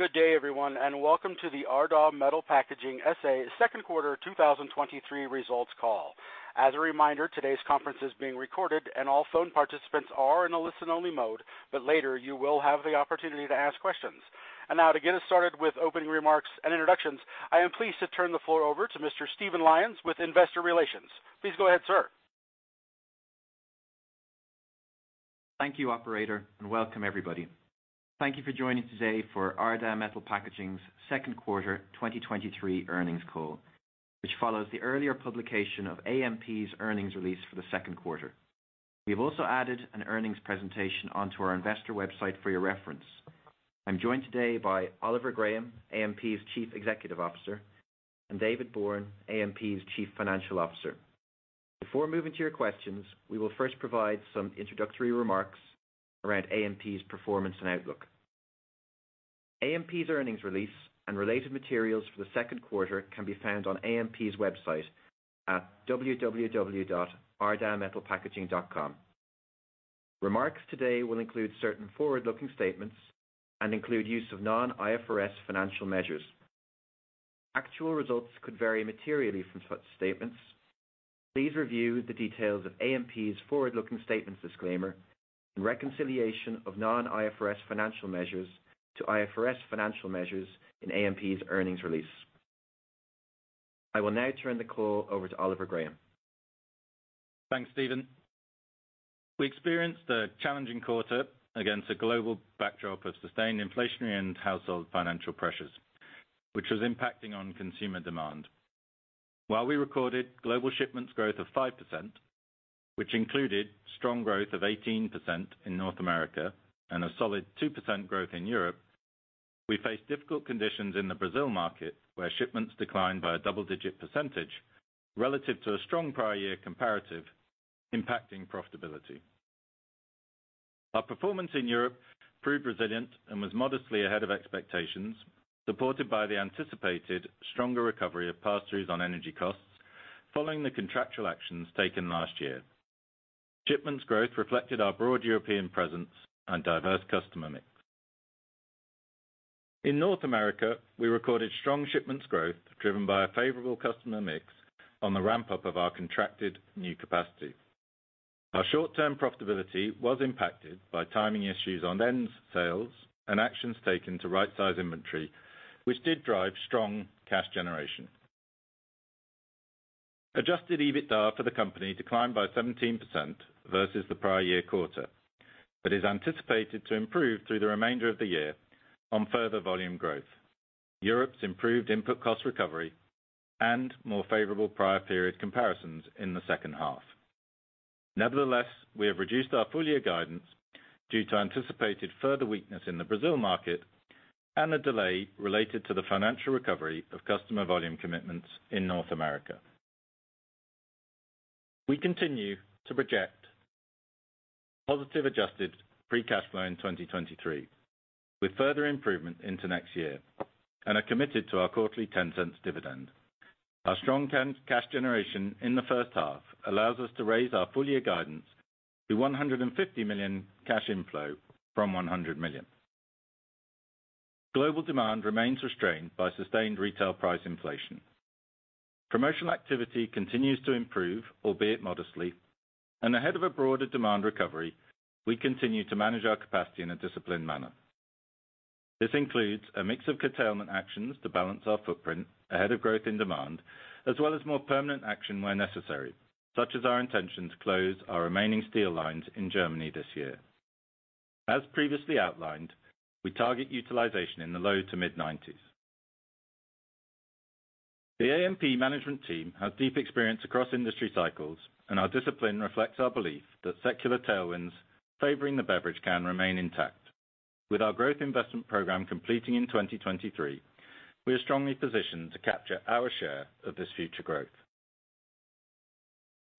Good day, everyone, welcome to the Ardagh Metal Packaging S.A. second quarter 2023 results call. As a reminder, today's conference is being recorded, all phone participants are in a listen-only mode, later you will have the opportunity to ask questions. Now to get us started with opening remarks and introductions, I am pleased to turn the floor over to Mr. Stephen Lyons with Investor Relations. Please go ahead, sir. Thank you, operator. Welcome everybody. Thank you for joining today for Ardagh Metal Packaging's second quarter 2023 earnings call, which follows the earlier publication of AMP's earnings release for the second quarter. We have also added an earnings presentation onto our investor website for your reference. I'm joined today by Oliver Graham, AMP's Chief Executive Officer, and David Bourne, AMP's Chief Financial Officer. Before moving to your questions, we will first provide some introductory remarks around AMP's performance and outlook. AMP's earnings release and related materials for the second quarter can be found on AMP's website at www.ardaghmetalpackaging.com. Remarks today will include certain forward-looking statements and include use of non-IFRS financial measures. Actual results could vary materially from such statements. Please review the details of AMP's forward-looking statements disclaimer and reconciliation of non-IFRS financial measures to IFRS financial measures in AMP's earnings release. I will now turn the call over to Oliver Graham. Thanks, Stephen. We experienced a challenging quarter against a global backdrop of sustained inflationary and household financial pressures, which was impacting on consumer demand. We recorded global shipments growth of 5%, which included strong growth of 18% in North America and a solid 2% growth in Europe, we faced difficult conditions in the Brazil market, where shipments declined by a double-digit percentage relative to a strong prior year comparative impacting profitability. Our performance in Europe proved resilient and was modestly ahead of expectations, supported by the anticipated stronger recovery of pass-throughs on energy costs following the contractual actions taken last year. Shipments growth reflected our broad European presence and diverse customer mix. North America, we recorded strong shipments growth, driven by a favorable customer mix on the ramp-up of our contracted new capacity. Our short-term profitability was impacted by timing issues on end sales and actions taken to right-size inventory, which did drive strong cash generation. Adjusted EBITDA for the company declined by 17% versus the prior year quarter, but is anticipated to improve through the remainder of the year on further volume growth. Europe's improved input cost recovery and more favorable prior period comparisons in the second half. Nevertheless, we have reduced our full year guidance due to anticipated further weakness in the Brazil market and a delay related to the financial recovery of customer volume commitments in North America. We continue to project positive adjusted free cash flow in 2023, with further improvement into next year, and are committed to our quarterly $0.10 dividend. Our strong Free cash generation in the first half allows us to raise our full year guidance to $150 million cash inflow from $100 million. Global demand remains restrained by sustained retail price inflation. Promotional activity continues to improve, albeit modestly, and ahead of a broader demand recovery, we continue to manage our capacity in a disciplined manner. This includes a mix of curtailment actions to balance our footprint ahead of growth in demand, as well as more permanent action where necessary, such as our intention to close our remaining steel lines in Germany this year. As previously outlined, we target utilization in the low to mid-90s. The AMP management team has deep experience across industry cycles, and our discipline reflects our belief that secular tailwinds favoring the beverage can remain intact. With our growth investment program completing in 2023, we are strongly positioned to capture our share of this future growth.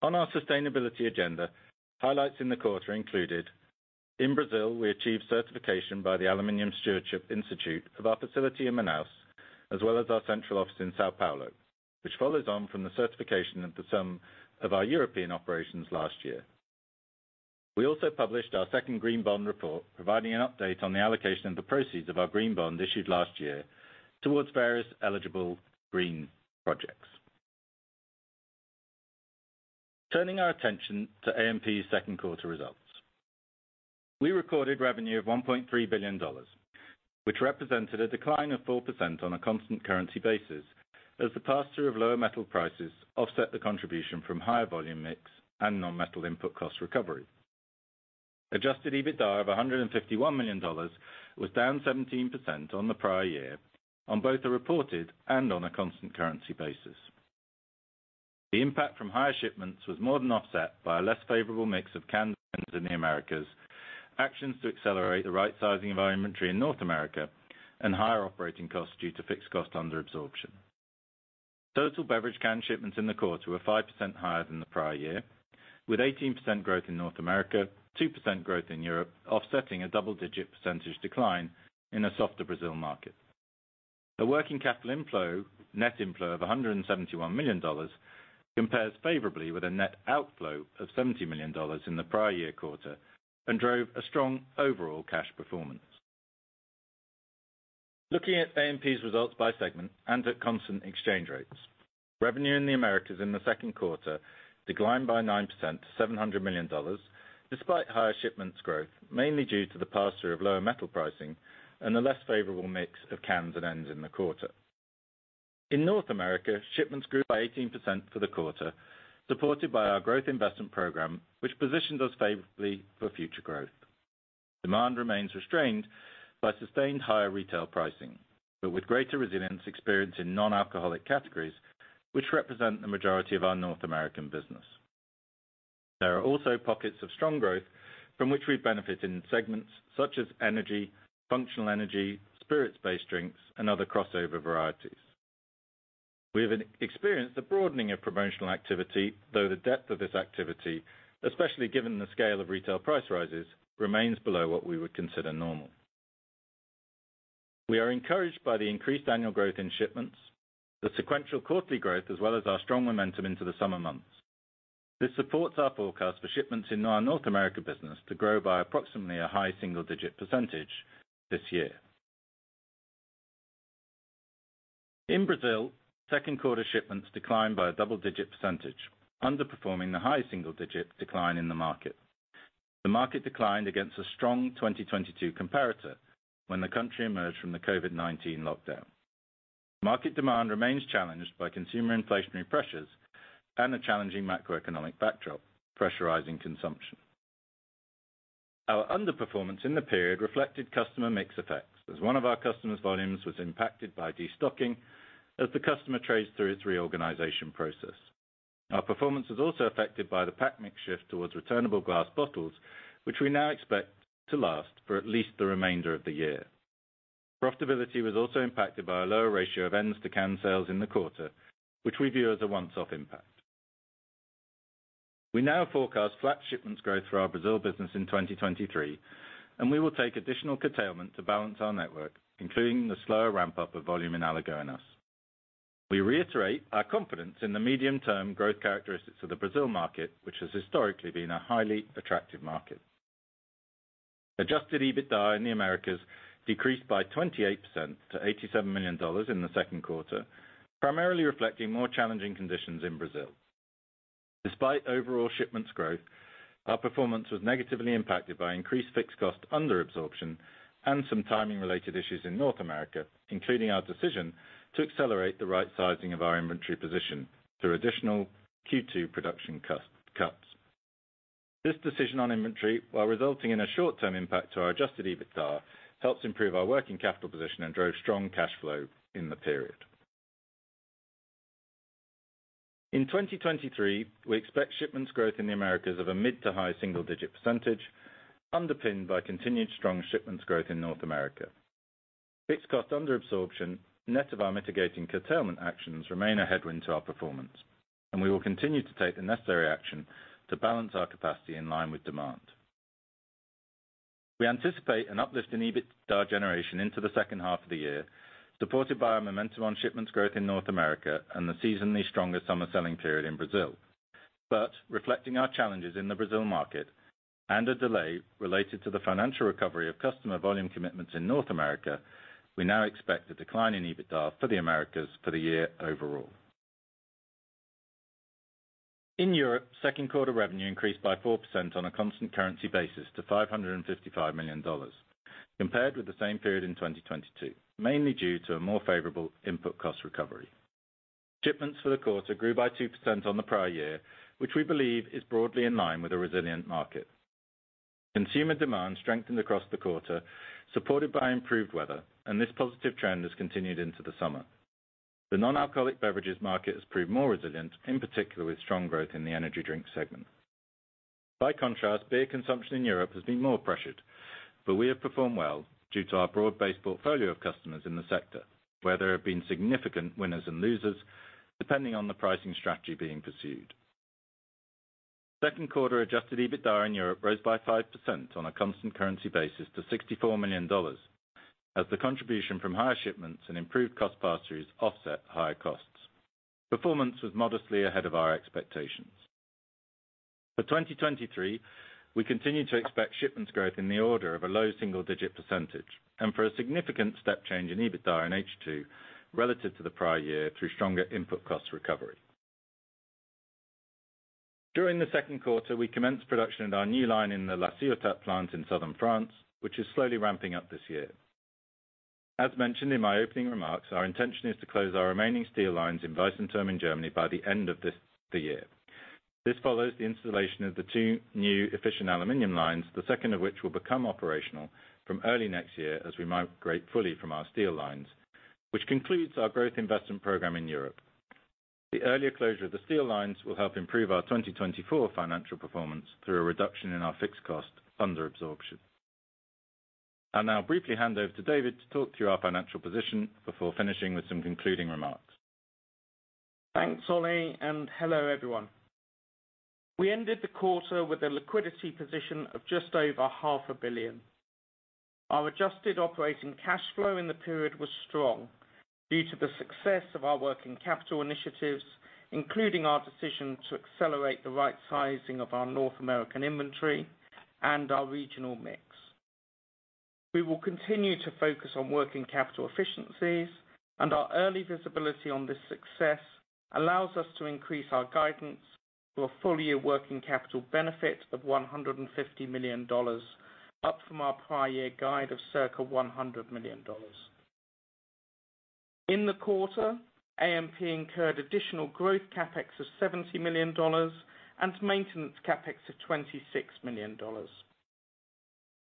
On our sustainability agenda, highlights in the quarter included: In Brazil, we achieved certification by the Aluminium Stewardship Institute of our facility in Manaus, as well as our central office in São Paulo, which follows on from the certification into some of our European operations last year. We also published our second green bond report, providing an update on the allocation of the proceeds of our green bond issued last year towards various eligible green projects. Turning our attention to AMP's second quarter results. We recorded revenue of $1.3 billion, which represented a decline of 4% on a constant currency basis, as the pass-through of lower metal prices offset the contribution from higher volume mix and non-metal input cost recovery. Adjusted EBITDA of $151 million was down 17% on the prior year on both a reported and on a constant currency basis. The impact from higher shipments was more than offset by a less favorable mix of cans in the Americas, actions to accelerate the right sizing of inventory in North America, and higher operating costs due to fixed cost under absorption. Total beverage can shipments in the quarter were 5% higher than the prior year, with 18% growth in North America, 2% growth in Europe, offsetting a double-digit percentage decline in a softer Brazil market. The working capital inflow, net inflow of $171 million, compares favorably with a net outflow of $70 million in the prior year quarter, and drove a strong overall cash performance. Looking at AMP's results by segment and at constant exchange rates, revenue in the Americas in the second quarter declined by 9% to $700 million, despite higher shipments growth, mainly due to the passer of lower metal pricing and a less favorable mix of cans and ends in the quarter. In North America, shipments grew by 18% for the quarter, supported by our growth investment program, which positioned us favorably for future growth. Demand remains restrained by sustained higher retail pricing, but with greater resilience experienced in non-alcoholic categories, which represent the majority of our North American business. There are also pockets of strong growth from which we benefit in segments such as energy, functional energy, spirits-based drinks, and other crossover varieties. We have experienced a broadening of promotional activity, though the depth of this activity, especially given the scale of retail price rises, remains below what we would consider normal. We are encouraged by the increased annual growth in shipments, the sequential quarterly growth, as well as our strong momentum into the summer months. This supports our forecast for shipments in our North America business to grow by approximately a high single-digit % this year. In Brazil, second quarter shipments declined by a double-digit %, underperforming the high single-digit decline in the market. The market declined against a strong 2022 comparator when the country emerged from the COVID-19 lockdown. Market demand remains challenged by consumer inflationary pressures and a challenging macroeconomic backdrop, pressurizing consumption. Our underperformance in the period reflected customer mix effects, as one of our customers' volumes was impacted by destocking as the customer trades through its reorganization process. Our performance was also affected by the pack mix shift towards returnable glass bottles, which we now expect to last for at least the remainder of the year. Profitability was also impacted by a lower ratio of ends to can sales in the quarter, which we view as a once-off impact. We now forecast flat shipments growth for our Brazil business in 2023, and we will take additional curtailment to balance our network, including the slower ramp-up of volume in Alagoinhas. We reiterate our confidence in the medium-term growth characteristics of the Brazil market, which has historically been a highly attractive market. Adjusted EBITDA in the Americas decreased by 28% to $87 million in the second quarter, primarily reflecting more challenging conditions in Brazil. Despite overall shipments growth, our performance was negatively impacted by increased fixed cost under absorption and some timing related issues in North America, including our decision to accelerate the right sizing of our inventory position through additional Q2 production cuts. This decision on inventory, while resulting in a short-term impact to our Adjusted EBITDA, helps improve our working capital position and drove strong cash flow in the period. In 2023, we expect shipments growth in the Americas of a mid to high single-digit %, underpinned by continued strong shipments growth in North America. Fixed cost under absorption, net of our mitigating curtailment actions, remain a headwind to our performance, and we will continue to take the necessary action to balance our capacity in line with demand. We anticipate an uplift in EBITDA generation into the second half of the year, supported by our momentum on shipments growth in North America and the seasonally stronger summer selling period in Brazil. Reflecting our challenges in the Brazil market and a delay related to the financial recovery of customer volume commitments in North America, we now expect a decline in EBITDA for the Americas for the year overall. In Europe, second quarter revenue increased by 4% on a constant currency basis to $555 million, compared with the same period in 2022, mainly due to a more favorable input cost recovery. Shipments for the quarter grew by 2% on the prior year, which we believe is broadly in line with a resilient market. Consumer demand strengthened across the quarter, supported by improved weather. This positive trend has continued into the summer. The non-alcoholic beverages market has proved more resilient, in particular with strong growth in the energy drink segment. Beer consumption in Europe has been more pressured. We have performed well due to our broad-based portfolio of customers in the sector, where there have been significant winners and losers, depending on the pricing strategy being pursued. Second quarter Adjusted EBITDA in Europe rose by 5% on a constant currency basis to $64 million, as the contribution from higher shipments and improved cost pass-throughs offset higher costs. Performance was modestly ahead of our expectations. For 2023, we continue to expect shipments growth in the order of a low single-digit %, and for a significant step change in EBITDA in H2 relative to the prior year through stronger input cost recovery. During the second quarter, we commenced production at our new line in the La Ciotat plant in southern France, which is slowly ramping up this year. As mentioned in my opening remarks, our intention is to close our remaining steel lines in Weissenfels, Germany, by the end of this, the year. This follows the installation of the two new efficient aluminum lines, the second of which will become operational from early next year as we migrate fully from our steel lines, which concludes our growth investment program in Europe. The earlier closure of the steel lines will help improve our 2024 financial performance through a reduction in our fixed cost under absorption. I'll now briefly hand over to David to talk through our financial position before finishing with some concluding remarks. Thanks, Ollie, and hello, everyone. We ended the quarter with a liquidity position of just over half a billion. Our adjusted operating cash flow in the period was strong due to the success of our working capital initiatives, including our decision to accelerate the right sizing of our North American inventory and our regional mix. We will continue to focus on working capital efficiencies. Our early visibility on this success allows us to increase our guidance to a full-year working capital benefit of $150 million, up from our prior year guide of circa $100 million. In the quarter, AMP incurred additional growth CapEx of $70 million and maintenance CapEx of $26 million.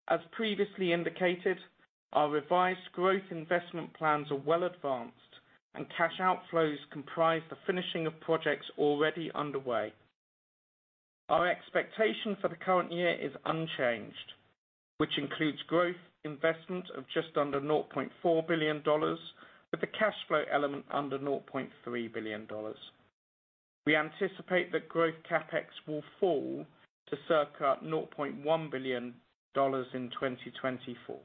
As previously indicated, our revised growth investment plans are well advanced. Cash outflows comprise the finishing of projects already underway. Our expectation for the current year is unchanged, which includes growth, investment of just under $0.4 billion, with a cash flow element under $0.3 billion. We anticipate that growth CapEx will fall to circa $0.1 billion in 2024.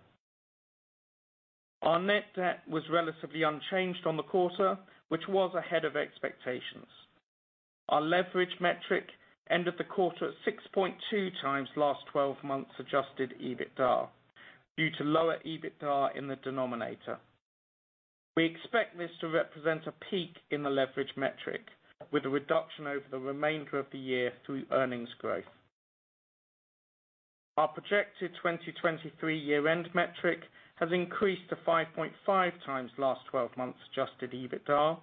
Our net debt was relatively unchanged on the quarter, which was ahead of expectations. Our leverage metric ended the quarter at 6.2x last 12 months Adjusted EBITDA, due to lower Adjusted EBITDA in the denominator. We expect this to represent a peak in the leverage metric, with a reduction over the remainder of the year through earnings growth. Our projected 2023 year-end metric has increased to 5.5x last 12 months Adjusted EBITDA,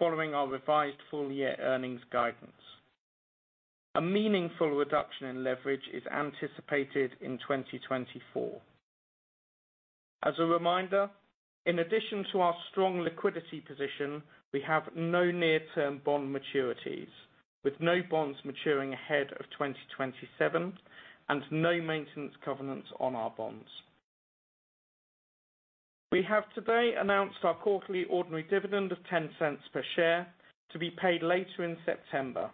following our revised full-year earnings guidance. A meaningful reduction in leverage is anticipated in 2024. As a reminder, in addition to our strong liquidity position, we have no near-term bond maturities, with no bonds maturing ahead of 2027 and no maintenance covenants on our bonds. We have today announced our quarterly ordinary dividend of $0.10 per share to be paid later in September,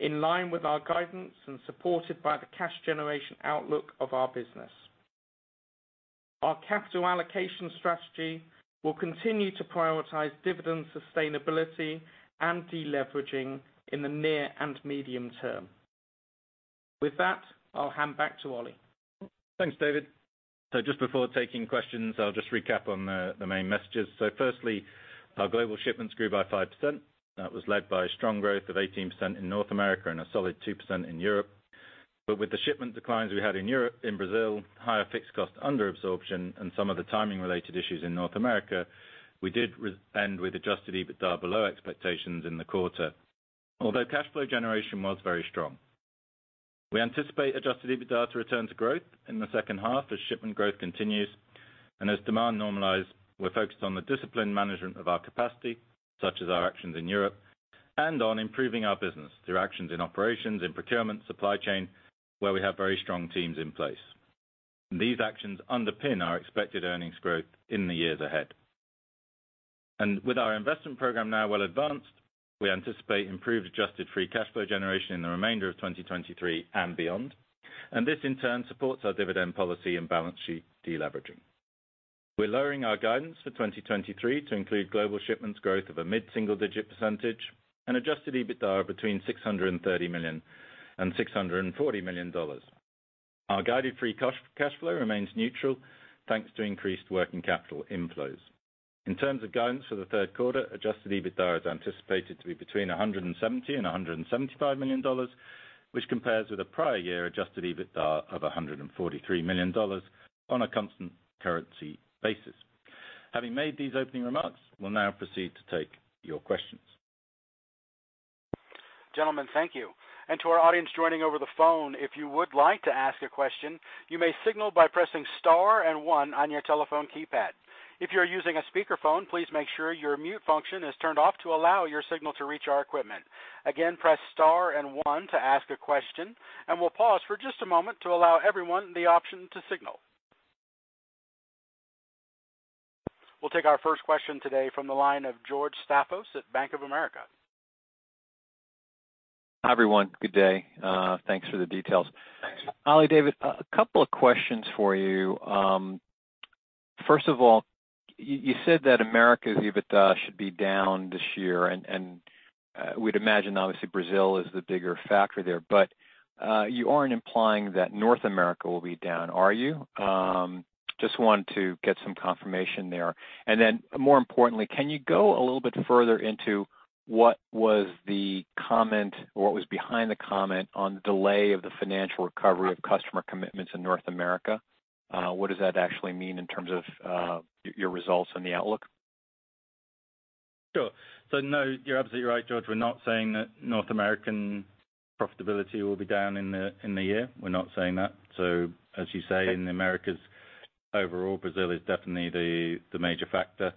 in line with our guidance and supported by the cash generation outlook of our business. Our capital allocation strategy will continue to prioritize dividend sustainability and deleveraging in the near and medium term. With that, I'll hand back to Ollie. Thanks, David. just before taking questions, I'll just recap on the main messages. firstly, our global shipments grew by 5%. That was led by strong growth of 18% in North America and a solid 2% in Europe. with the shipment declines we had in Europe, in Brazil, higher fixed cost under absorption and some of the timing-related issues in North America, we did end with Adjusted EBITDA below expectations in the quarter, although cash flow generation was very strong. We anticipate Adjusted EBITDA to return to growth in the second half as shipment growth continues. as demand normalize, we're focused on the disciplined management of our capacity, such as our actions in Europe, and on improving our business through actions in operations, in procurement, supply chain, where we have very strong teams in place. These actions underpin our expected earnings growth in the years ahead. With our investment program now well advanced, we anticipate improved adjusted free cash flow generation in the remainder of 2023 and beyond. This, in turn, supports our dividend policy and balance sheet deleveraging. We're lowering our guidance for 2023 to include global shipments growth of a mid-single-digit % and Adjusted EBITDA between $630 million and $640 million. Our guided free cash flow remains neutral, thanks to increased working capital inflows. In terms of guidance for the third quarter, Adjusted EBITDA is anticipated to be between $170 million and $175 million, which compares with a prior year Adjusted EBITDA of $143 million on a constant currency basis. Having made these opening remarks, we'll now proceed to take your questions. Gentlemen, thank you. To our audience joining over the phone, if you would like to ask a question, you may signal by pressing Star and One on your telephone keypad. If you're using a speakerphone, please make sure your mute function is turned off to allow your signal to reach our equipment. Press Star and One to ask a question, and we'll pause for just a moment to allow everyone the option to signal. We'll take our first question today from the line of George Staphos at Bank of America. Hi, everyone. Good day. Thanks for the details. Thanks. Ollie, David, a couple of questions for you. First of all, you said that America's EBITDA should be down this year, and we'd imagine, obviously, Brazil is the bigger factor there. You aren't implying that North America will be down, are you? Just wanted to get some confirmation there. More importantly, can you go a little bit further into what was the comment or what was behind the comment on delay of the financial recovery of customer commitments in North America? What does that actually mean in terms of your results and the outlook? Sure. No, you're absolutely right, George. We're not saying that North American profitability will be down in the year. We're not saying that. As you say, in the Americas. Overall, Brazil is definitely the major factor.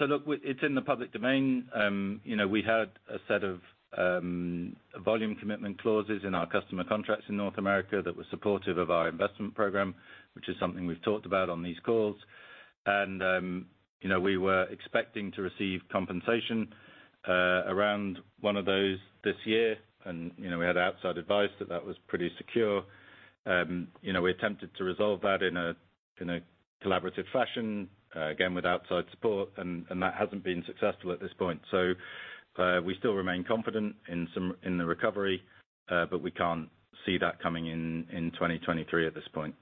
Look, it's in the public domain. You know, we had a set of volume commitment clauses in our customer contracts in North America that were supportive of our investment program, which is something we've talked about on these calls. We were expecting to receive compensation around one of those this year, and you know, we had outside advice that that was pretty secure. You know, we attempted to resolve that in a collaborative fashion, again, with outside support, and that hasn't been successful at this point. We still remain confident in some, in the recovery, but we can't see that coming in, in 2023 at this point.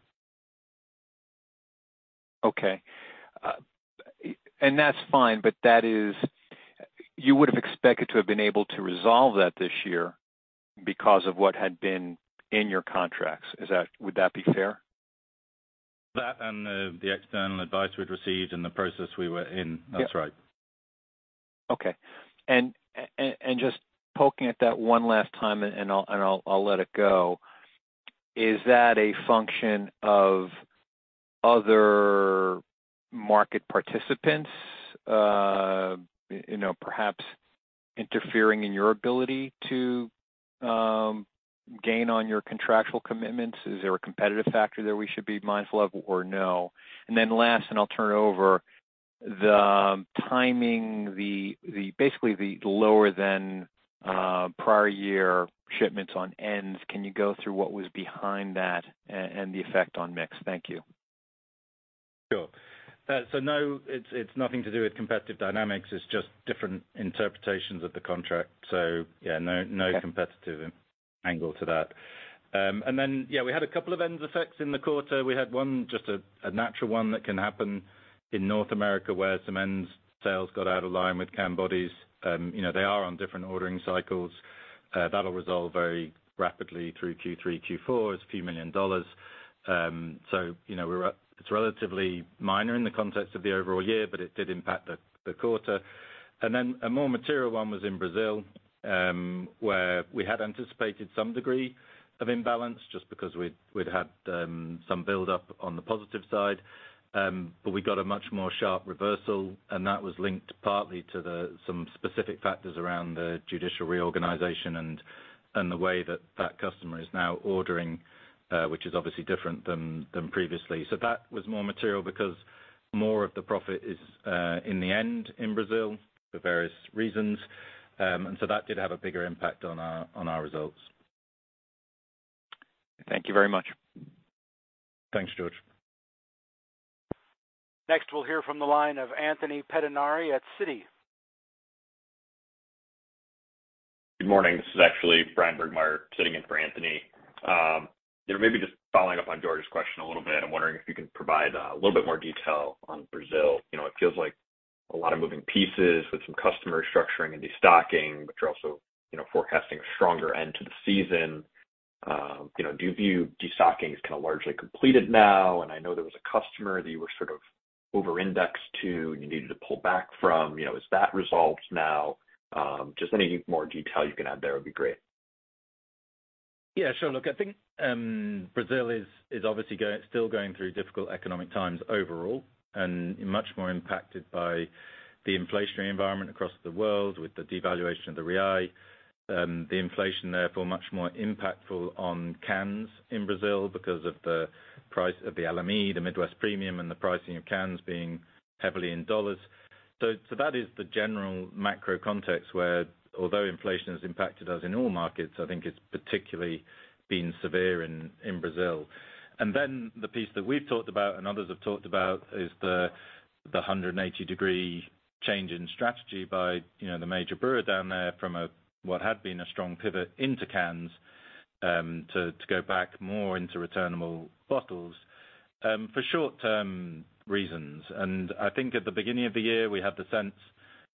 Okay. That's fine, but that is, you would have expected to have been able to resolve that this year because of what had been in your contracts. Would that be fair? The external advice we'd received and the process we were in. Yeah. That's right. Okay. Just poking at that one last time, and I'll let it go. Is that a function of other market participants, you know, perhaps interfering in your ability to gain on your contractual commitments? Is there a competitive factor that we should be mindful of or no? Then last, and I'll turn it over, the timing, basically, the lower than prior year shipments on ends. Can you go through what was behind that and the effect on mix? Thank you. Sure. No, it's, it's nothing to do with competitive dynamics. It's just different interpretations of the contract. Yeah, no, no competitive angle to that. Yeah, we had a couple of ends effects in the quarter. We had one, just a, a natural one that can happen in North America, where some ends sales got out of line with can bodies. You know, they are on different ordering cycles. That'll resolve very rapidly through Q3, Q4. It's a few million dollars. You know, it's relatively minor in the context of the overall year, but it did impact the, the quarter. A more material one was in Brazil, where we had anticipated some degree of imbalance just because we'd, we'd had some buildup on the positive side. We got a much more sharp reversal, and that was linked partly to the, some specific factors around the judicial reorganization and, and the way that that customer is now ordering, which is obviously different than, than previously. That was more material because more of the profit is, in the end in Brazil for various reasons. That did have a bigger impact on our, on our results. Thank you very much. Thanks, George. Next, we'll hear from the line of Anthony Pettinari at Citi. Good morning. This is actually Brian Bergmeyer sitting in for Anthony. You know, maybe just following up on George's question a little bit. I'm wondering if you can provide a little bit more detail on Brazil. You know, it feels like a lot of moving pieces with some customer restructuring and destocking, but you're also, you know, forecasting a stronger end to the season. You know, do you view destocking as kind of largely completed now? I know there was a customer that you were sort of over-indexed to, and you needed to pull back from. You know, is that resolved now? Just any more detail you can add there would be great. Yeah, sure. Look, I think Brazil is, is obviously going, still going through difficult economic times overall and much more impacted by the inflationary environment across the world with the devaluation of the real. The inflation, therefore, much more impactful on cans in Brazil because of the price of the LME, the Midwest premium, and the pricing of cans being heavily in $. That is the general macro context where although inflation has impacted us in all markets, I think it's particularly been severe in Brazil. And then the piece that we've talked about and others have talked about is the, the 180 degree change in strategy by, you know, the major brewer down there from a, what had been a strong pivot into cans, to, to go back more into returnable bottles for short-term reasons. I think at the beginning of the year, we had the sense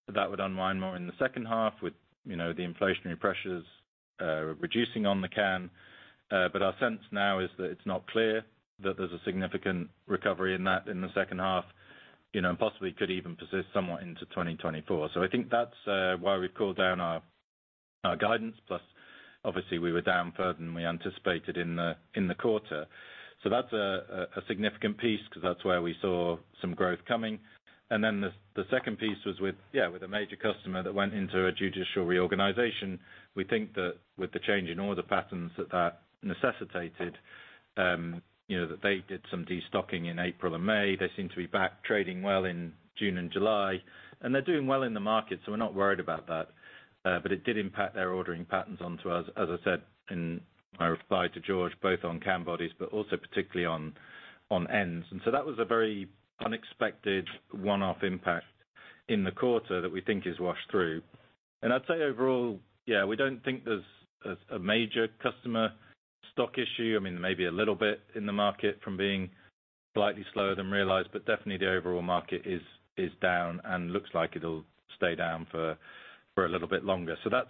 that that would unwind more in the second half with, you know, the inflationary pressures reducing on the can. Our sense now is that it's not clear that there's a significant recovery in that in the second half, you know, and possibly could even persist somewhat into 2024. I think that's why we've pulled down our, our guidance, plus, obviously, we were down further than we anticipated in the, in the quarter. That's a, a significant piece because that's where we saw some growth coming. The second piece was with a major customer that went into a judicial reorganization. We think that with the change in order patterns that that necessitated, you know, that they did some destocking in April and May. They seem to be back trading well in June and July, they're doing well in the market, we're not worried about that. It did impact their ordering patterns onto us, as I said in my reply to George, both on can bodies, but also particularly on ends. That was a very unexpected one-off impact in the quarter that we think is washed through. I'd say overall, yeah, we don't think there's a major customer stock issue. I mean, maybe a little bit in the market from being slightly slower than realized, but definitely the overall market is down and looks like it'll stay down for a little bit longer. That's,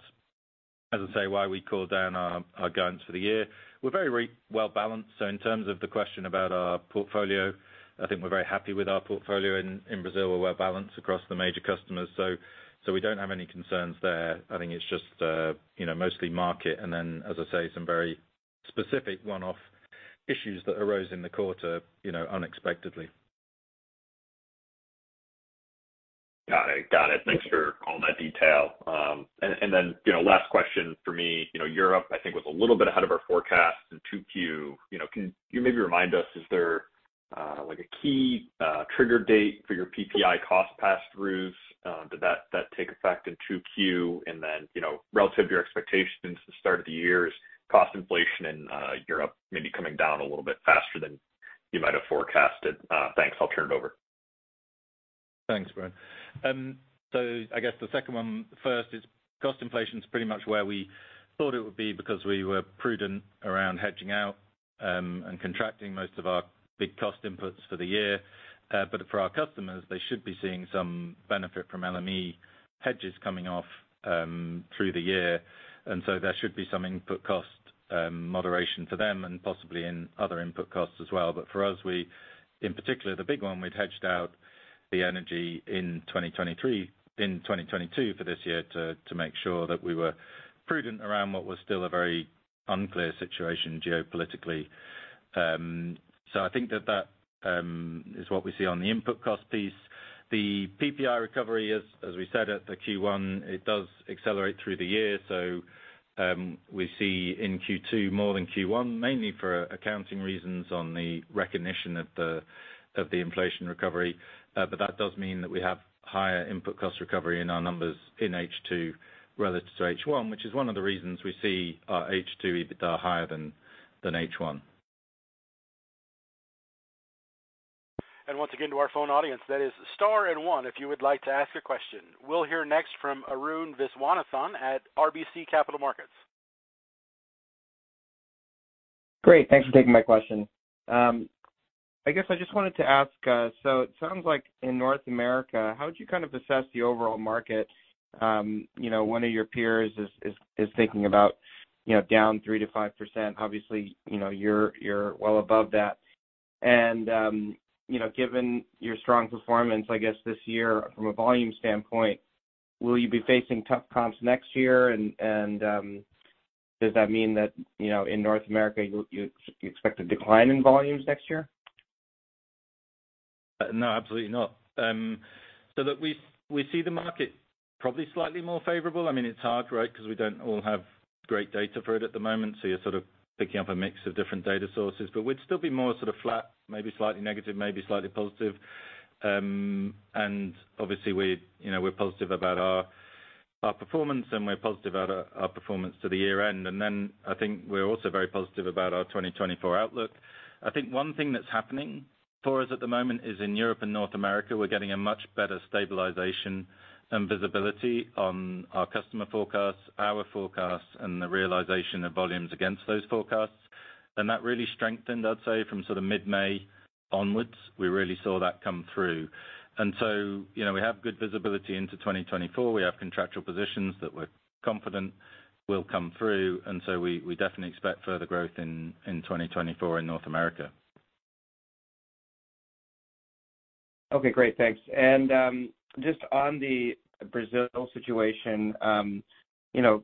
as I say, why we called down our guidance for the year. We're very well-balanced. In terms of the question about our portfolio, I think we're very happy with our portfolio in Brazil, where we're balanced across the major customers. We don't have any concerns there. I think it's just, you know, mostly market, and then, as I say, some very specific one-off issues that arose in the quarter, you know, unexpectedly. Got it, got it. Thanks for all that detail. You know, last question for me, you know, Europe, I think, was a little bit ahead of our forecast in 2Q. You know, can you maybe remind us, is there like a key trigger date for your PPI cost pass-throughs? Did that take effect in 2Q? You know, relative to your expectations at the start of the year, is cost inflation in Europe maybe coming down a little bit faster than you might have forecasted? Thanks. I'll turn it over. Thanks, Brian. I guess the second one first is cost inflation is pretty much where we thought it would be because we were prudent around hedging out and contracting most of our big cost inputs for the year. For our customers, they should be seeing some benefit from LME hedges coming off through the year. There should be some input cost moderation for them and possibly in other input costs as well. For us, in particular, the big one, we'd hedged out the energy in 2023, in 2022 for this year to make sure that we were prudent around what was still a very unclear situation geopolitically. I think that that is what we see on the input cost piece. The PPI recovery, as we said at the Q1, it does accelerate through the year. We see in Q2 more than Q1, mainly for accounting reasons on the recognition of the inflation recovery. That does mean that we have higher input cost recovery in our numbers in H2 relative to H1, which is one of the reasons we see our H2 EBITDA higher than H1. Once again, to our phone audience, that is star and one, if you would like to ask a question. We'll hear next from Arun Viswanathan at RBC Capital Markets. Great, thanks for taking my question. I guess I just wanted to ask, it sounds like in North America, how would you kind of assess the overall market? You know, one of your peers is thinking about, you know, down 3%-5%. Obviously, you know, you're, you're well above that. You know, given your strong performance, I guess, this year from a volume standpoint, will you be facing tough comps next year? Does that mean that, you know, in North America, you'll, you expect a decline in volumes next year? No, absolutely not. Look, we see the market probably slightly more favorable. I mean, it's hard, right? Because we don't all have great data for it at the moment, so you're sort of picking up a mix of different data sources. We'd still be more sort of flat, maybe slightly negative, maybe slightly positive. Obviously, we're, you know, we're positive about our performance, and we're positive about our performance to the year-end. I think we're also very positive about our 2024 outlook. I think one thing that's happening for us at the moment is in Europe and North America, we're getting a much better stabilization and visibility on our customer forecasts, our forecasts, and the realization of volumes against those forecasts. That really strengthened, I'd say, from sort of mid-May onwards, we really saw that come through. You know, we have good visibility into 2024. We have contractual positions that we're confident will come through. We definitely expect further growth in 2024 in North America. Okay, great. Thanks. Just on the Brazil situation, you know,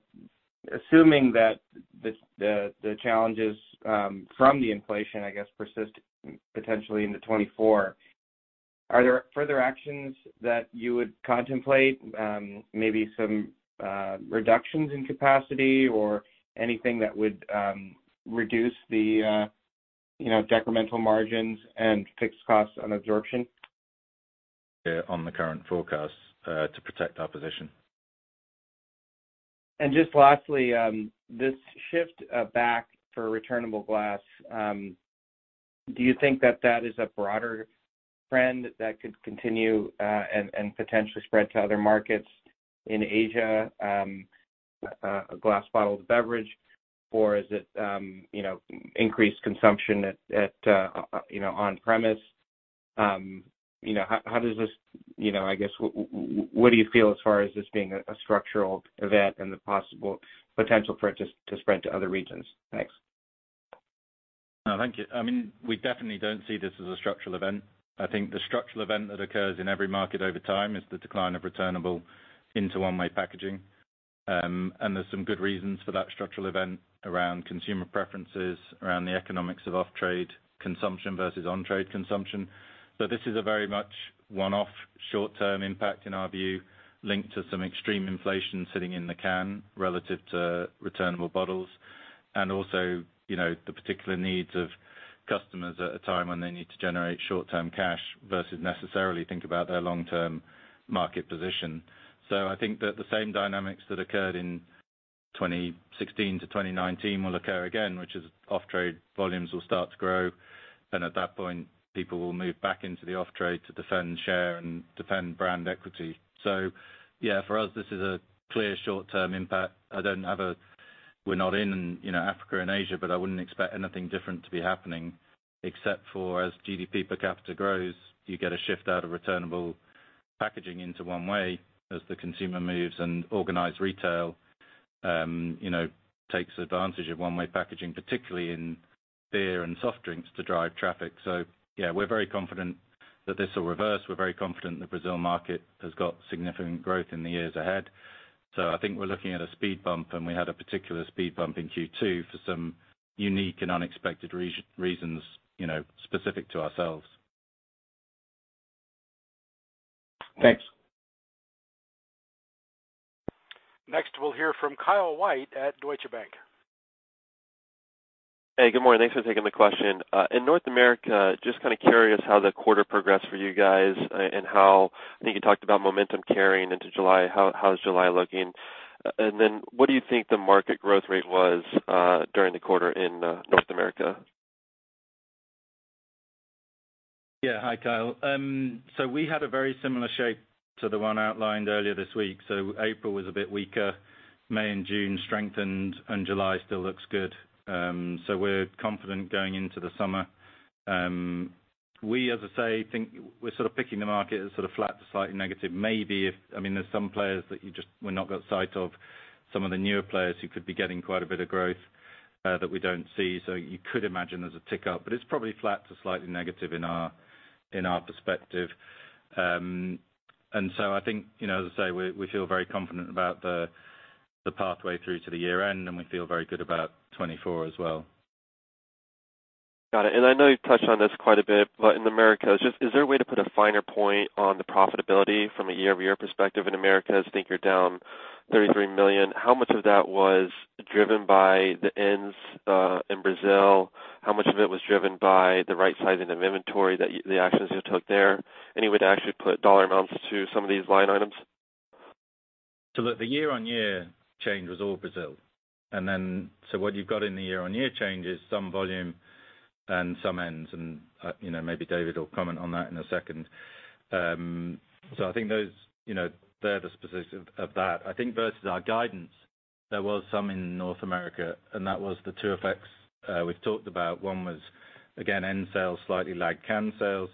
assuming that the, the, the challenges from the inflation, I guess, persist potentially into 2024, are there further actions that you would contemplate, maybe some reductions in capacity or anything that would reduce the, you know, decremental margins and fixed costs on absorption? Yeah, on the current forecasts, to protect our position. Just lastly, this shift back for returnable glass, do you think that that is a broader trend that could continue and potentially spread to other markets in Asia, a glass-bottled beverage, or is it, you know, increased consumption at, you know, on-premise? You know, how does this? You know, I guess, what do you feel as far as this being a structural event and the possible potential for it to spread to other regions? Thanks. No, thank you. I mean, we definitely don't see this as a structural event. I think the structural event that occurs in every market over time is the decline of returnable into one-way packaging. There's some good reasons for that structural event around consumer preferences, around the economics of off-trade consumption versus on-trade consumption. This is a very much one-off, short-term impact in our view, linked to some extreme inflation sitting in the can relative to returnable bottles. Also, you know, the particular needs of customers at a time when they need to generate short-term cash versus necessarily think about their long-term market position. I think that the same dynamics that occurred in 2016-2019 will occur again, which is off-trade volumes will start to grow, and at that point, people will move back into the off-trade to defend share and defend brand equity. Yeah, for us, this is a clear short-term impact. We're not in, you know, Africa and Asia, I wouldn't expect anything different to be happening, except for, as GDP per capita grows, you get a shift out of returnable packaging into one-way, as the consumer moves and organized retail, you know, takes advantage of one-way packaging, particularly in beer and soft drinks, to drive traffic. Yeah, we're very confident that this will reverse. We're very confident the Brazil market has got significant growth in the years ahead. I think we're looking at a speed bump, and we had a particular speed bump in Q2 for some unique and unexpected reasons, you know, specific to ourselves. Thanks. Next, we'll hear from Kyle White at Deutsche Bank. Hey, good morning. Thanks for taking the question. In North America, just kind of curious how the quarter progressed for you guys, and how I think you talked about momentum carrying into July. How is July looking? What do you think the market growth rate was during the quarter in North America? Yeah. Hi, Kyle. We had a very similar shape to the one outlined earlier this week. April was a bit weaker, May and June strengthened, and July still looks good. We're confident going into the summer. We, as I say, think we're sort of picking the market as sort of flat to slightly negative. Maybe if, I mean, there's some players that you just, we've not got sight of, some of the newer players who could be getting quite a bit of growth that we don't see. You could imagine there's a tick up, but it's probably flat to slightly negative in our, in our perspective. I think, you know, as I say, we, we feel very confident about the, the pathway through to the year-end, and we feel very good about 2024 as well. Got it. I know you've touched on this quite a bit, but in Americas, is there a way to put a finer point on the profitability from a year-over-year perspective in Americas? I think you're down $33 million. How much of that was driven by the ends in Brazil? How much of it was driven by the right sizing of inventory that the actions you took there? Any way to actually put dollar amounts to some of these line items? Look, the year-on-year change was all Brazil. What you've got in the year-on-year change is some volume and some ends, and, you know, maybe David will comment on that in a second. I think those, you know, they're the specifics of that. I think versus our guidance, there was some in North America, and that was the two effects we've talked about. One was, again, end sales, slightly lagged can sales.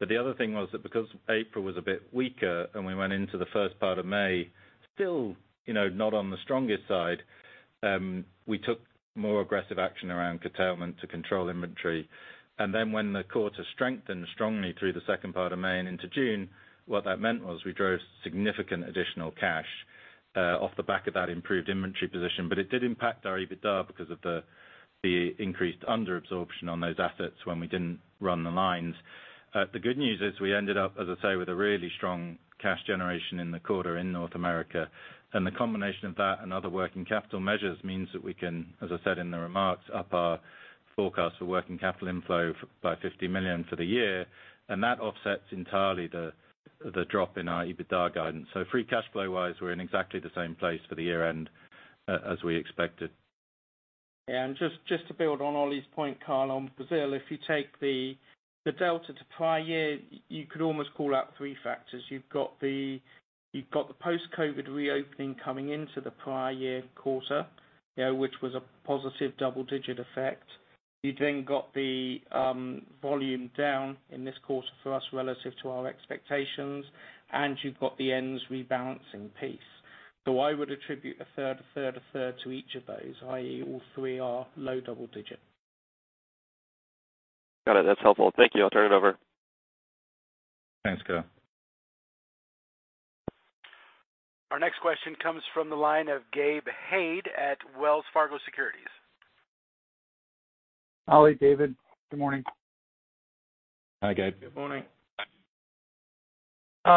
The other thing was that because April was a bit weaker and we went into the first part of May, still, you know, not on the strongest side, we took more aggressive action around curtailment to control inventory. When the quarter strengthened strongly through the second part of May and into June, what that meant was we drove significant additional cash off the back of that improved inventory position. It did impact our EBITDA because of the increased under absorption on those assets when we didn't run the lines. The good news is we ended up, as I say, with a really strong cash generation in the quarter in North America, and the combination of that and other working capital measures means that we can, as I said in the remarks, up our forecast for working capital inflow by $50 million for the year, and that offsets entirely the drop in our EBITDA guidance. Free cash flow-wise, we're in exactly the same place for the year-end as we expected. Just to build on Ollie's point, Kyle, on Brazil, if you take the delta to prior year, you could almost call out 3 factors. You've got the post-COVID reopening coming into the prior year quarter, you know, which was a positive double-digit effect. You've then got the volume down in this quarter for us relative to our expectations, and you've got the ends rebalancing piece. I would attribute a third, a third, a third to each of those, i.e, all 3 are low double digit. Got it. That's helpful. Thank you. I'll turn it over. Thanks, Kyle. Our next question comes from the line of Gabe Hajde at Wells Fargo Securities. Ollie, David, good morning. Hi, Gabe. Good morning. I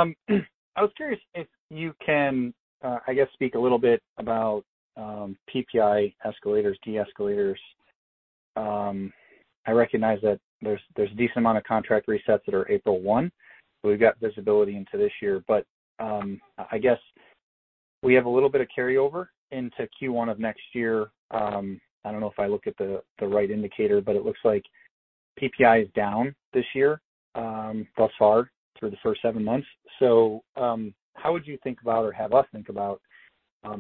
was curious if you can, I guess, speak a little bit about PPI escalators, de-escalators. I recognize that there's a decent amount of contract resets that are April 1, so we've got visibility into this year. I guess we have a little bit of carryover into Q1 of next year. I don't know if I look at the right indicator, but it looks like PPI is down this year, thus far, through the first 7 months. How would you think about or have us think about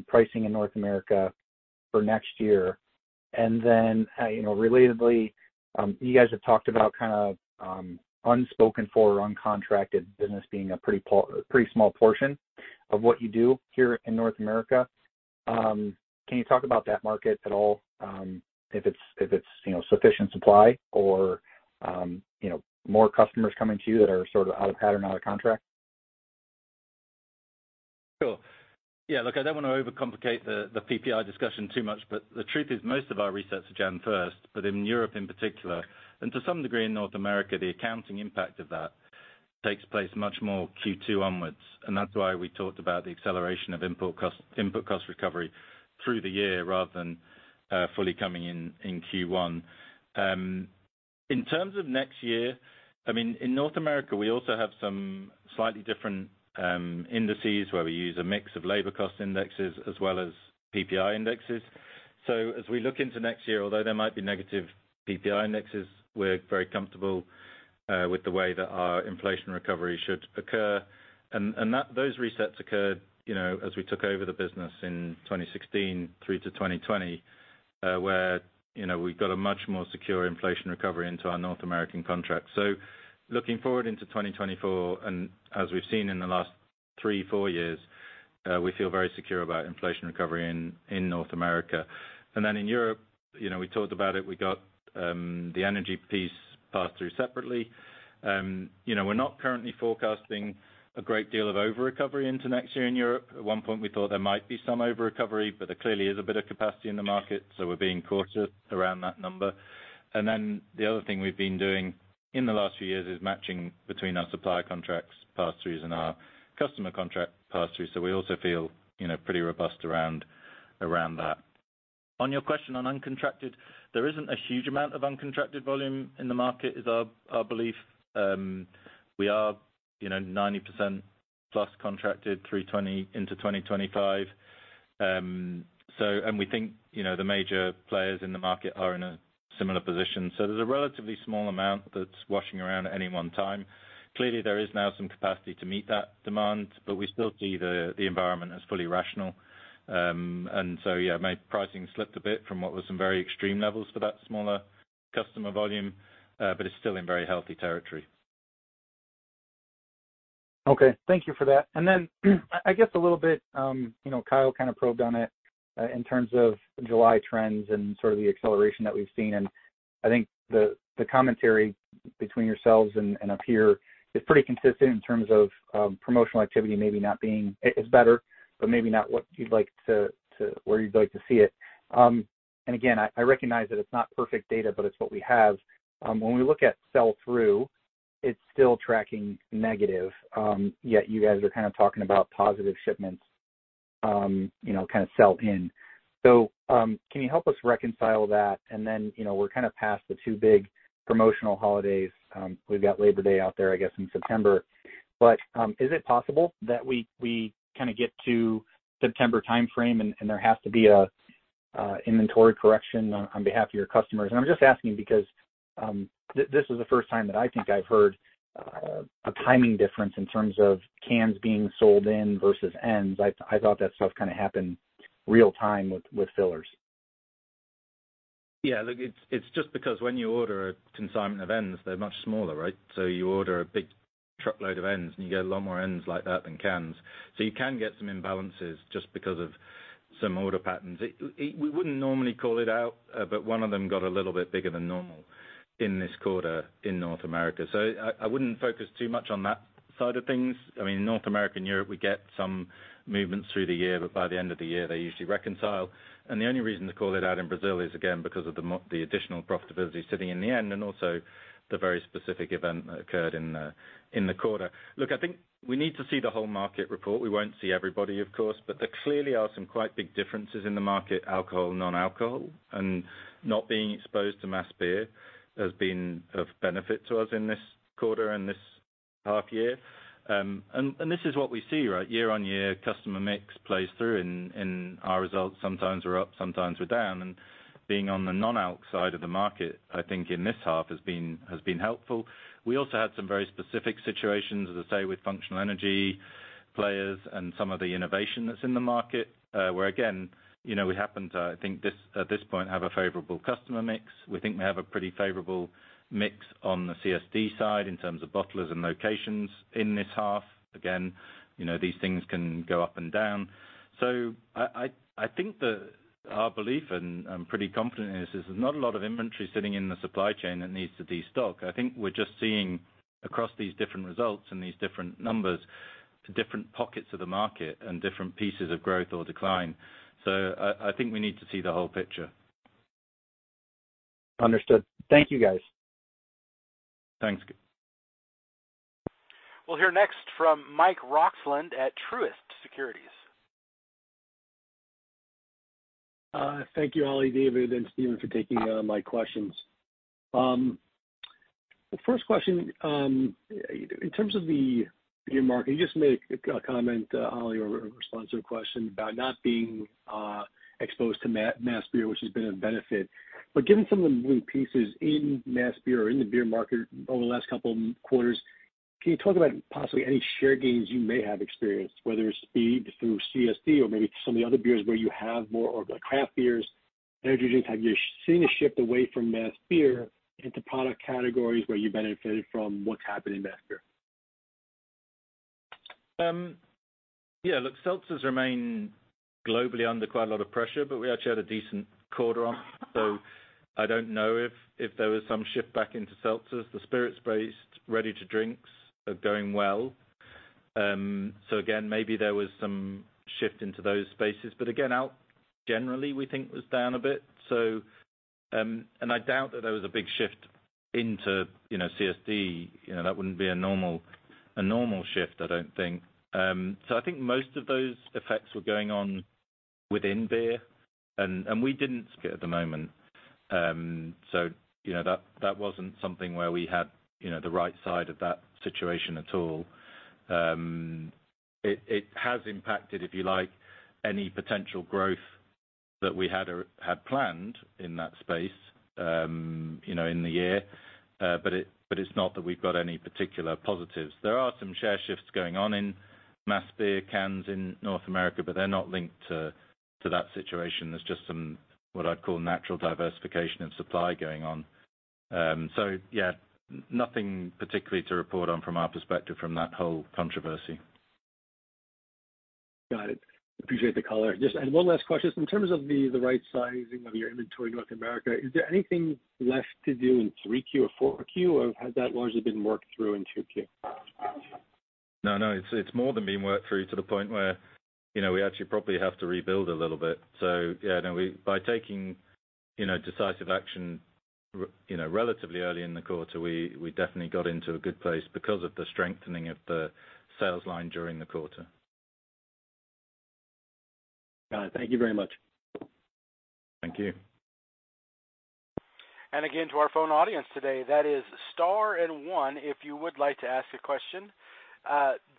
pricing in North America for next year? You know, relatedly, you guys have talked about kind of unspoken for or uncontracted business being a pretty small portion of what you do here in North America. Can you talk about that market at all? If it's, you know, sufficient supply or, you know, more customers coming to you that are sort of out of pattern, out of contract? Sure. Yeah, look, I don't want to overcomplicate the PPI discussion too much, but the truth is, most of our resets are Jan 1st, but in Europe in particular, and to some degree in North America, the accounting impact of that takes place much more Q2 onwards. That's why we talked about the acceleration of import cost, input cost recovery through the year rather than fully coming in in Q1. In terms of next year, I mean, in North America, we also have some slightly different indices where we use a mix of labor cost indexes as well as PPI indexes. As we look into next year, although there might be negative PPI indexes, we're very comfortable with the way that our inflation recovery should occur. Those resets occurred, you know, as we took over the business in 2016 through to 2020, where, you know, we got a much more secure inflation recovery into our North American contract. Looking forward into 2024, and as we've seen in the last three, four years, we feel very secure about inflation recovery in North America. In Europe, you know, we talked about it, we got the energy piece passed through separately. You know, we're not currently forecasting a great deal of over-recovery into next year in Europe. At one point, we thought there might be some over-recovery, there clearly is a bit of capacity in the market, we're being cautious around that number. The other thing we've been doing in the last few years is matching between our supplier contracts pass-throughs and our customer contract pass-throughs. We also feel, you know, pretty robust around that. On your question on uncontracted, there isn't a huge amount of uncontracted volume in the market, is our belief. We are, you know, 90% plus contracted through 2020 into 2025. And we think, you know, the major players in the market are in a similar position. There's a relatively small amount that's washing around at any one time. Clearly, there is now some capacity to meet that demand, but we still see the environment as fully rational. Yeah, my pricing slipped a bit from what was some very extreme levels for that smaller customer volume, but it's still in very healthy territory. Okay, thank you for that. I guess a little bit, you know, Kyle kind of probed on it in terms of July trends and sort of the acceleration that we've seen, and I think the commentary between yourselves and up here is pretty consistent in terms of promotional activity It is better, but maybe not what you'd like to, where you'd like to see it. I recognize that it's not perfect data, but it's what we have. When we look at sell-through, it's still tracking negative. You guys are kind of talking about positive shipments, you know, kind of sell in. Can you help us reconcile that? You know, we're kind of past the 2 big promotional holidays. We've got Labor Day out there, I guess, in September. Is it possible that we kind of get to September timeframe and there has to be a inventory correction on behalf of your customers? I'm just asking because this is the first time that I think I've heard a timing difference in terms of cans being sold in versus ends. I thought that stuff kind of happened real time with fillers. Yeah, look, it's just because when you order a consignment of ends, they're much smaller, right? You order a big truckload of ends, and you get a lot more ends like that than cans. You can get some imbalances just because of some order patterns. We wouldn't normally call it out, but one of them got a little bit bigger than normal in this quarter in North America. I wouldn't focus too much on that side of things. I mean, North America and Europe, we get some movements through the year, but by the end of the year, they usually reconcile. The only reason to call it out in Brazil is, again, because of the additional profitability sitting in the end, and also the very specific event that occurred in the quarter. Look, I think we need to see the whole market report. We won't see everybody, of course, but there clearly are some quite big differences in the market, alcohol, non-alcohol, and not being exposed to mass beer has been of benefit to us in this quarter and this half year. This is what we see, right? Year-on-year, customer mix plays through in our results. Sometimes we're up, sometimes we're down. Being on the non-alc side of the market, I think in this half has been helpful. We also had some very specific situations, as I say, with functional energy players and some of the innovation that's in the market, where, again, you know, we happen to, I think this, at this point, have a favorable customer mix. We think we have a pretty favorable mix on the CSD side in terms of bottlers and locations in this half. You know, these things can go up and down. Our belief, and I'm pretty confident in this, is there's not a lot of inventory sitting in the supply chain that needs to destock. I think we're just seeing across these different results and these different numbers, different pockets of the market and different pieces of growth or decline. I think we need to see the whole picture. Understood. Thank you, guys. Thanks. We'll hear next from Mike Roxland at Truist Securities. Thank you, Ollie, David, and Stephen, for taking my questions. The first question, in terms of your market, you just made a comment, Ollie, or a response to a question about not being exposed to mass beer, which has been a benefit. Given some of the moving pieces in mass beer or in the beer market over the last couple quarters, can you talk about possibly any share gains you may have experienced, whether it's be through CSD or maybe some of the other beers where you have more organic craft beers, energy drinks? Have you seen a shift away from mass beer into product categories where you benefited from what's happening in mass beer? Yeah, look, seltzers remain globally under quite a lot of pressure, but we actually had a decent quarter on, so I don't know if, if there was some shift back into seltzers. The spirits-based ready to drinks are going well. Again, maybe there was some shift into those spaces, but again, alc, generally, we think, was down a bit. And I doubt that there was a big shift into, you know, CSD. You know, that wouldn't be a normal, a normal shift, I don't think. I think most of those effects were going on within beer, and, and we didn't see it at the moment. You know, that, that wasn't something where we had, you know, the right side of that situation at all. It has impacted, if you like, any potential growth that we had, had planned in that space, you know, in the year. It's not that we've got any particular positives. There are some share shifts going on in mass beer, cans in North America, but they're not linked to that situation. There's just some, what I'd call, natural diversification of supply going on. Yeah, nothing particularly to report on from our perspective from that whole controversy. Got it. Appreciate the color. Just one last question. In terms of the right sizing of your inventory in North America, is there anything left to do in 3Q or 4Q, or has that largely been worked through in 2Q? No, no, it's more than being worked through to the point where, you know, we actually probably have to rebuild a little bit. Yeah, no, we by taking, you know, decisive action, you know, relatively early in the quarter, we definitely got into a good place because of the strengthening of the sales line during the quarter. Got it. Thank You very much. Thank you. Again, to our phone audience today, that is star 1, if you would like to ask a question.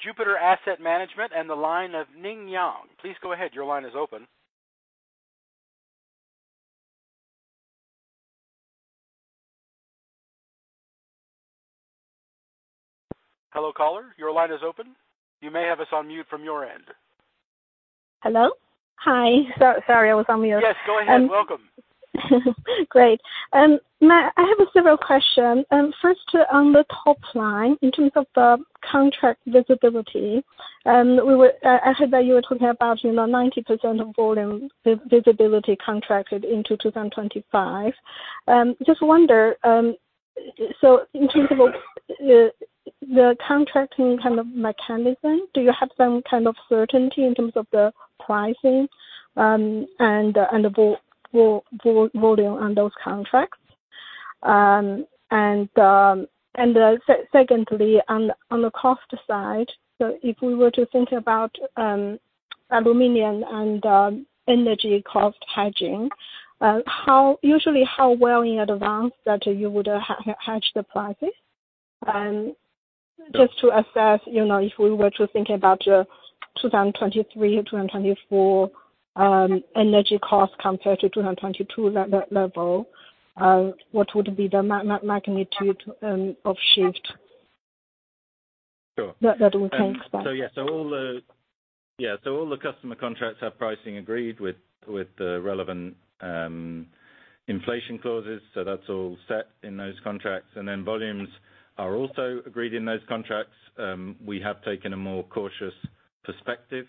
Jupiter Asset Management and the line of Ning Yang. Please go ahead. Your line is open. Hello, caller. Your line is open. You may have us on mute from your end. Hello? Hi. Sorry, I was on mute. Yes, go ahead. Welcome. Great. Matt, I have several question. First, on the top line, in terms of the contract visibility, I heard that you were talking about, you know, 90% of volume visibility contracted into 2025. Just wonder, so in terms of the contracting kind of mechanism, do you have some kind of certainty in terms of the pricing, and the volume on those contracts? And secondly, on the cost side, so if we were to think about, aluminum and energy cost hedging, usually how well in advance that you would hedge the prices? Yeah Just to assess, you know, if we were to think about 2023, 2024, energy costs compared to 2022 level, what would be the magnitude of shift? Sure. That will change by. All the customer contracts have pricing agreed with the relevant inflation clauses, that's all set in those contracts. Volumes are also agreed in those contracts. We have taken a more cautious perspective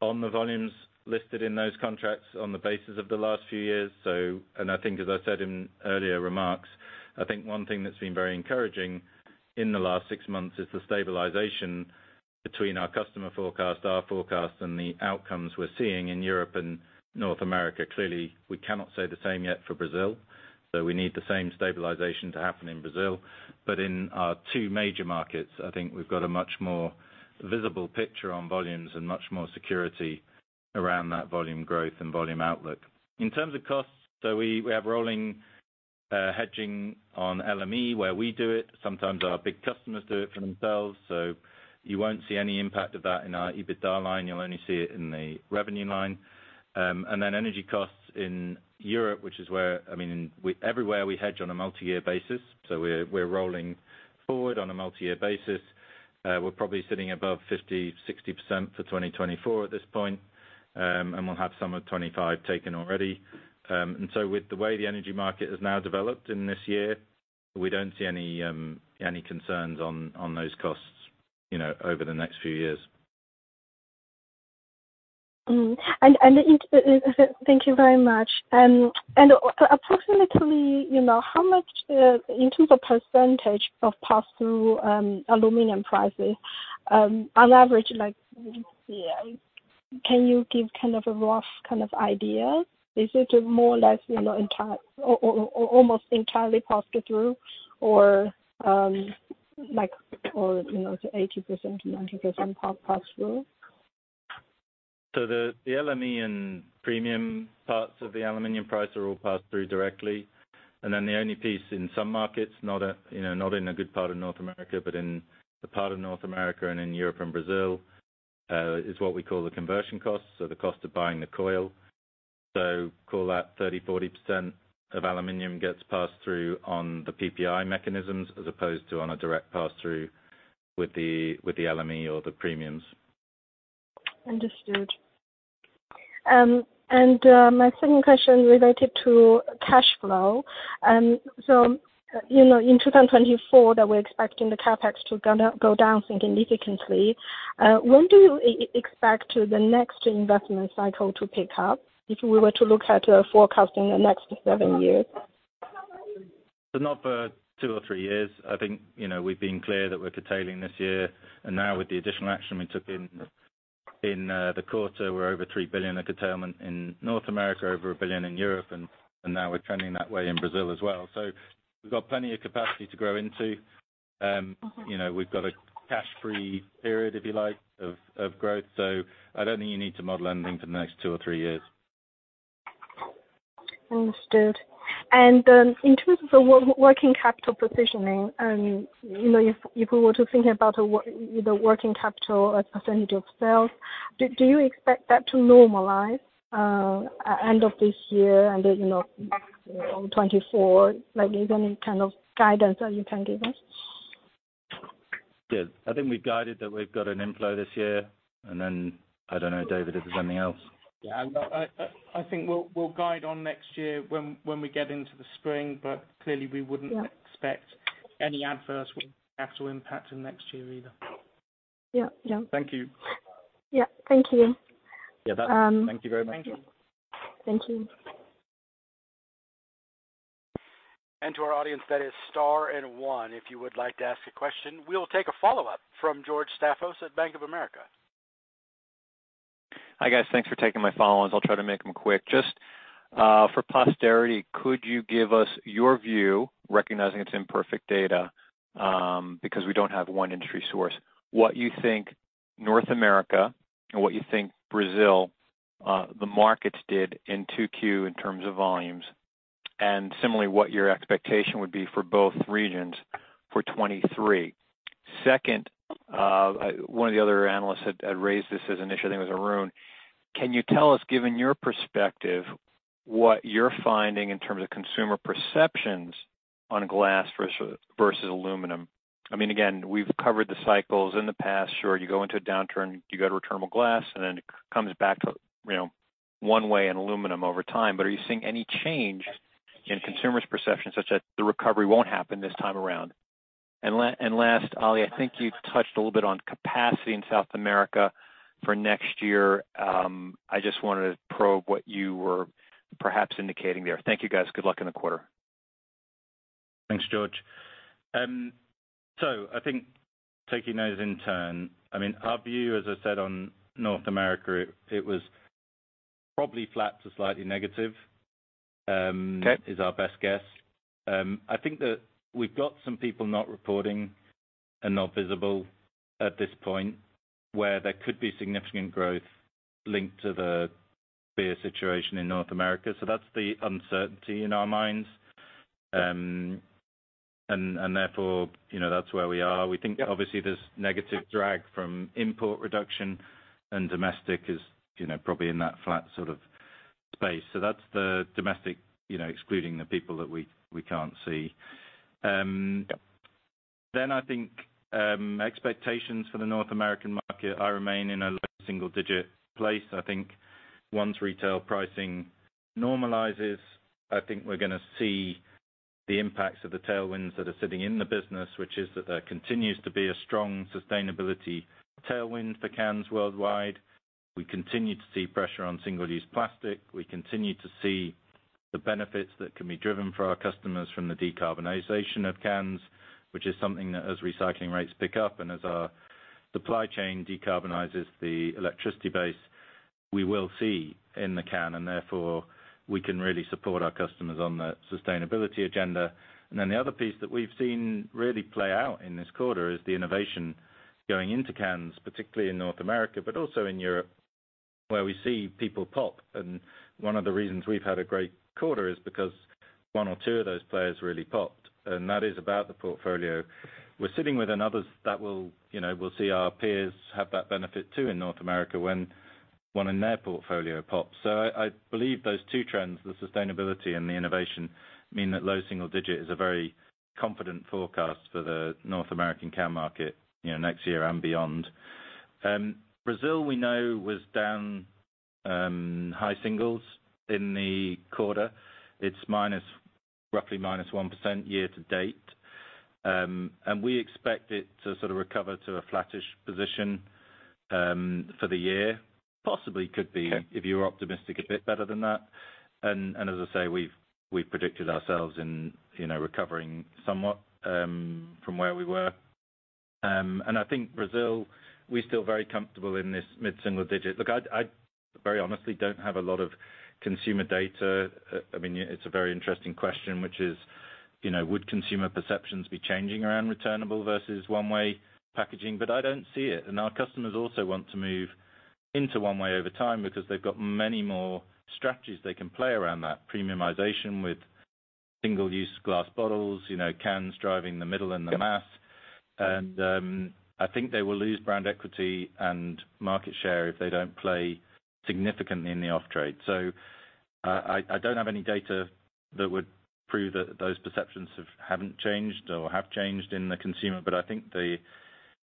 on the volumes listed in those contracts on the basis of the last few years. I think, as I said in earlier remarks, I think one thing that's been very encouraging in the last 6 months is the stabilization between our customer forecast, our forecast, and the outcomes we're seeing in Europe and North America. Clearly, we cannot say the same yet for Brazil, we need the same stabilization to happen in Brazil. In our 2 major markets, I think we've got a much more visible picture on volumes and much more security around that volume growth and volume outlook. In terms of costs, we have rolling hedging on LME, where we do it. Sometimes our big customers do it for themselves, you won't see any impact of that in our EBITDA line. You'll only see it in the revenue line. Energy costs in Europe, which is where, everywhere we hedge on a multi-year basis, we're rolling forward on a multi-year basis. We're probably sitting above 50%-60% for 2024 at this point, and we'll have some of 25 taken already. With the way the energy market has now developed in this year, we don't see any concerns on those costs, you know, over the next few years. Thank you very much. Approximately, you know, how much, in terms of percentage of pass-through, aluminum prices, on average, like, yeah, can you give kind of a rough kind of idea? Is it more or less, you know, entire or almost entirely passed through, or, like, or, you know, 80%-90% pass-through? The LME and premium parts of the aluminum price are all passed through directly. The only piece in some markets, not a, you know, not in a good part of North America, but in the part of North America and in Europe and Brazil, is what we call the conversion cost, so the cost of buying the coil. Call that 30%, 40% of aluminum gets passed through on the PPI mechanisms as opposed to on a direct pass-through with the LME or the premiums. Understood. My second question related to cash flow. In 2024, that we're expecting the CapEx to go down significantly, when do you expect the next investment cycle to pick up, if we were to look at forecasting the next seven years? Not for two or three years. I think, you know, we've been clear that we're curtailing this year. Now with the additional action we took in the quarter, we're over $3 billion of curtailment in North America, over $1 billion in Europe. Now we're trending that way in Brazil as well. We've got plenty of capacity to grow into. Mm-hmm... you know, we've got a cash-free period, if you like, of, of growth. I don't think you need to model anything for the next two or three years. Understood. In terms of the working capital positioning, you know, if we were to think about the working capital as a percentage of sales, do you expect that to normalize at end of this year and, you know, 2024? Like, is there any kind of guidance that you can give us? I think we've guided that we've got an inflow this year, and then I don't know, David, if there's anything else. I think we'll guide on next year when we get into the spring, but clearly we wouldn't expect any adverse actual impact in next year either. Yeah. Yeah. Thank you. Yeah, thank you. Yeah, thank you very much. Thank you. Thank you. To our audience, that is Star and One. If you would like to ask a question, we will take a follow-up from George Staphos at Bank of America. Hi, guys. Thanks for taking my follow-ups. I'll try to make them quick. Just for posterity, could you give us your view, recognizing it's imperfect data, because we don't have one industry source, what you think North America and what you think Brazil, the markets did in 2Q in terms of volumes? Similarly, what your expectation would be for both regions for 2023? Second, one of the other analysts had raised this as an issue. I think it was Arun. Can you tell us, given your perspective, what you're finding in terms of consumer perceptions on glass versus aluminum? I mean, again, we've covered the cycles in the past. Sure, you go into a downturn, you go to returnable glass, and then it comes back to, you know, one way in aluminum over time. Are you seeing any change in consumers' perception such that the recovery won't happen this time around? Last, Ollie, I think you've touched a little bit on capacity in South America for next year. I just wanted to probe what you were perhaps indicating there. Thank you, guys. Good luck in the quarter. Thanks, George. I think taking those in turn, I mean, our view, as I said on North America, it, it was probably flat to slightly negative, is our best guess. I think that we've got some people not reporting and not visible at this point where there could be significant growth linked to the beer situation in North America. That's the uncertainty in our minds. Therefore, you know, that's where we are. We think obviously there's negative drag from import reduction and domestic is, you know, probably in that flat sort of space. That's the domestic, you know, excluding the people that we, we can't see. I think expectations for the North American market, I remain in a low single digit place. I think once retail pricing normalizes, I think we're gonna see the impacts of the tailwinds that are sitting in the business, which is that there continues to be a strong sustainability tailwind for cans worldwide. We continue to see pressure on single-use plastic. We continue to see the benefits that can be driven for our customers from the decarbonization of cans, which is something that as recycling rates pick up and as our supply chain decarbonizes the electricity base, we will see in the can, and therefore we can really support our customers on that sustainability agenda. The other piece that we've seen really play out in this quarter is the innovation going into cans, particularly in North America, but also in Europe, where we see people pop. One of the reasons we've had a great quarter is because one or two of those players really popped, and that is about the portfolio. We're sitting with another that will, you know, we'll see our peers have that benefit, too, in North America when one in their portfolio pops. I, I believe those two trends, the sustainability and the innovation, mean that low single digit is a very confident forecast for the North American can market, you know, next year and beyond. Brazil, we know, was down high singles in the quarter. It's roughly minus 1% year to date. We expect it to sort of recover to a flattish position for the year. Possibly could be, if you're optimistic, a bit better than that. As I say, we've predicted ourselves in, you know, recovering somewhat from where we were. I think Brazil, we're still very comfortable in this mid-single digit. Look, I very honestly don't have a lot of consumer data. I mean, it's a very interesting question, which is, you know, would consumer perceptions be changing around returnable versus one-way packaging? I don't see it. Our customers also want to move into one way over time because they've got many more strategies they can play around that. Premiumization with single-use glass bottles, you know, cans driving the middle and the mass. I think they will lose brand equity and market share if they don't play significantly in the off-trade. I don't have any data that would prove that those perceptions have haven't changed or have changed in the consumer, but I think the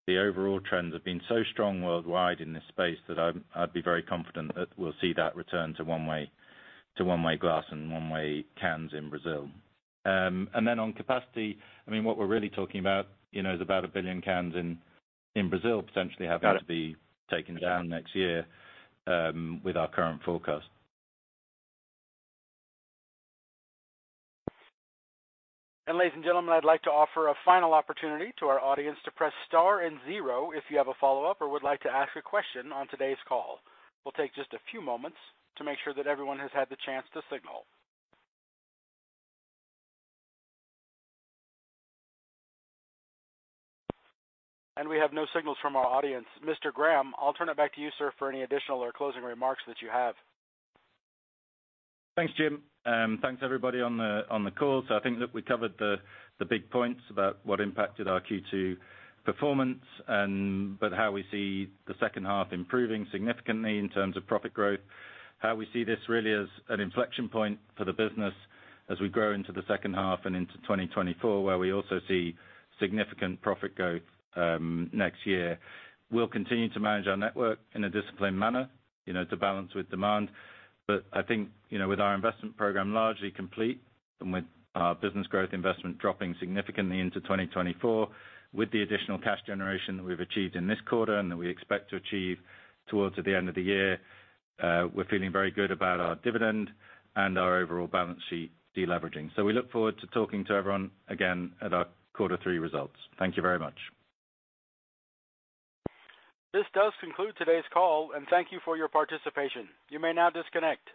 overall trends have been so strong worldwide in this space, that I'd be very confident that we'll see that return to one-way glass and one-way cans in Brazil. And then on capacity, I mean, what we're really talking about, you know, is about 1 billion cans in Brazil potentially having to be taken down next year, with our current forecast. Ladies and gentlemen, I'd like to offer a final opportunity to our audience to press Star and Zero if you have a follow-up or would like to ask a question on today's call. We'll take just a few moments to make sure that everyone has had the chance to signal. We have no signals from our audience. Mr. Graham, I'll turn it back to you, sir, for any additional or closing remarks that you have. Thanks, Jim. Thanks, everybody on the call. I think that we covered the big points about what impacted our Q2 performance, but how we see the second half improving significantly in terms of profit growth, how we see this really as an inflection point for the business as we grow into the second half and into 2024, where we also see significant profit growth next year. We'll continue to manage our network in a disciplined manner, you know, to balance with demand. I think, you know, with our investment program largely complete and with our business growth investment dropping significantly into 2024, with the additional cash generation that we've achieved in this quarter and that we expect to achieve towards the end of the year, we're feeling very good about our dividend and our overall balance sheet deleveraging. We look forward to talking to everyone again at our quarter three results. Thank you very much. This does conclude today's call, and thank you for your participation. You may now disconnect.